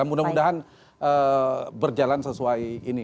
mudah mudahan berjalan sesuai ini